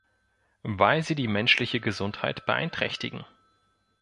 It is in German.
Weil sie die menschliche Gesundheit beeinträchtigen.